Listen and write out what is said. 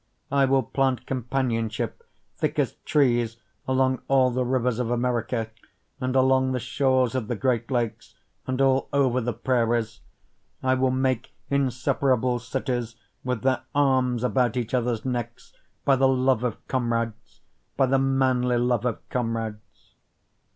I will plant companionship thick as trees along all the rivers of America, and along the shores of the great lakes, and all over the prairies, I will make inseparable cities with their arms about each other's necks, By the love of comrades, By the manly love of comrades.